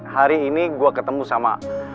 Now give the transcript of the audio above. hari ini gue ketemu sama